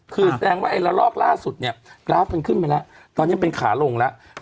คือแสดงว่าไอ้ละลอกล่าสุดเนี่ยกราฟมันขึ้นไปแล้วตอนนี้มันเป็นขาลงแล้ว